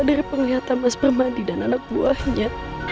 dari penglihatan mas permandi dan anak buahnya